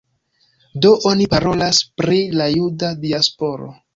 Do oni parolas pri la juda diasporo.